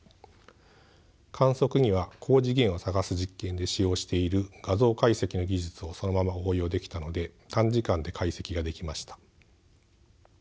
観測には高次元を探す実験で使用している画像解析の技術をそのまま応用できたので短時間で解析ができました。